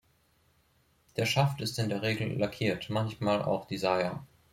Der Schaft ist in der Regel lackiert, manchmal auch die Saya.